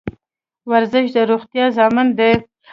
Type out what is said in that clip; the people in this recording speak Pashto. ورزش د روغتیا ضامن دی